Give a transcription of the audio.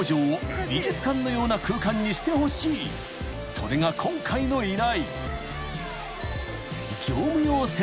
［それが今回の依頼］